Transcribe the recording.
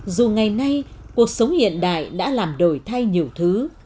dù ngày nay cuộc sống hiện đại đã làm đổi thay nhiều thứ